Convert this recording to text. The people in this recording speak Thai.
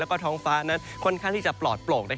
แล้วก็ท้องฟ้านั้นค่อนข้างที่จะปลอดโปร่ง